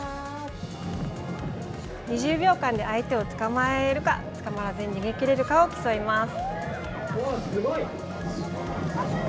２０秒間で相手をつかまえるかつかまらずに逃げきれるかを競います。